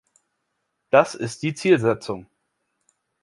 Das ist die Zielsetzung.